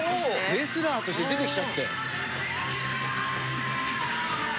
レスラーとして出てきちゃったよ。